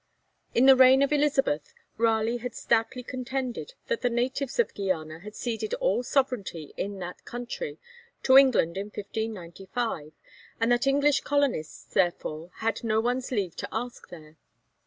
In the reign of Elizabeth, Raleigh had stoutly contended that the natives of Guiana had ceded all sovereignty in that country to England in 1595, and that English colonists therefore had no one's leave to ask there.